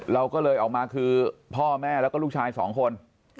เราก็เลยออกมาคือพ่อแม่แล้วก็ลูกชายสองคน